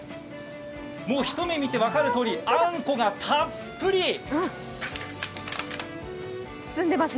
もう一目見て分かるとおりあんこがたっぷり！